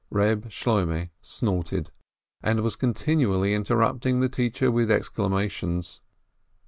Reb Shloimeh snorted, and was continually interrupting the teacher with exclamations.